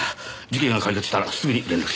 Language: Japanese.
事件が解決したらすぐに連絡します。